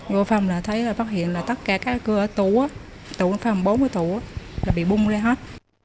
vô phòng là thấy là phát hiện là tất cả các cửa tủ tủ phòng bốn mươi tủ là bị bung ra hết